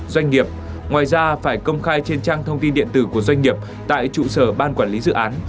doanh nghiệp ngoài ra phải công khai trên trang thông tin điện tử của doanh nghiệp tại trụ sở ban quản lý dự án